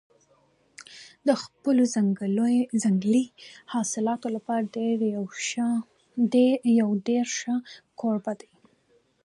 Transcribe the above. افغانستان د خپلو ځنګلي حاصلاتو لپاره یو ډېر ښه کوربه دی.